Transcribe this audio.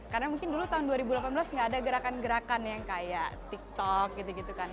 karena mungkin dulu tahun dua ribu delapan belas nggak ada gerakan gerakan yang kayak tiktok gitu gitu kan